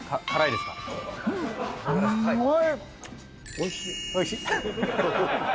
おいしい？